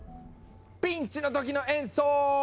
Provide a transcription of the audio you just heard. ピンチの時の演奏！